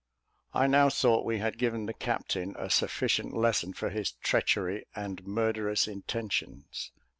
I now thought we had given the captain a sufficient lesson for his treachery and murderous intentions.